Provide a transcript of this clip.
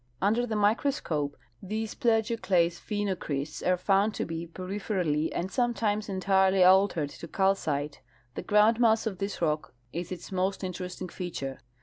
Under the microscope these plagioclase phenocrysts are found to l)e peripherally and sometimes entirely altered to calcite. The groundmass of this rock is its most interesting feature.